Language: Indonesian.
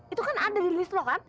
itu kan ada di list loh kan